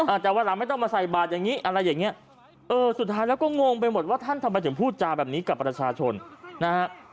จากวันหลังไม่ต้องมาใส่บาทอย่างนี้อะไรอย่างเงี้ยเออสุดท้ายแล้วก็งงไปหมดว่าท่านทำไมถึงพูดจาแบบนี้กับประชาชนนะฮะ